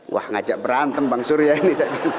wah ngajak berantem bang surya ini